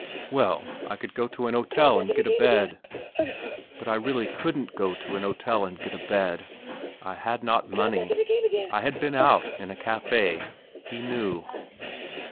Well, I could go to an hotel and get a bed! But I really couldn't go to an hotel and get a bed; I had not money, I had been out in a café ... he knew....